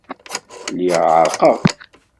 Lliɣ ɛerrqeɣ.